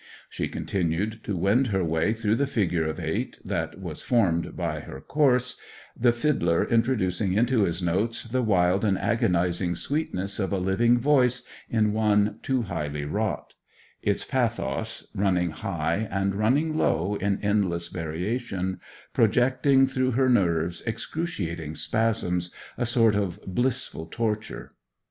She continued to wend her way through the figure of 8 that was formed by her course, the fiddler introducing into his notes the wild and agonizing sweetness of a living voice in one too highly wrought; its pathos running high and running low in endless variation, projecting through her nerves excruciating spasms, a sort of blissful torture.